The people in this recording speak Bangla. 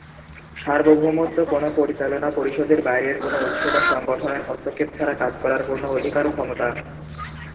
সার্বভৌমত্ব কোনো পরিচালনা পরিষদের বাইরের কোনো উৎস বা সংগঠনের হস্তক্ষেপ ছাড়া কাজ করার পূর্ণ অধিকার ও ক্ষমতা।